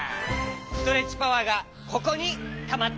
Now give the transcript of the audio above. ストレッチパワーがここにたまってきただろ！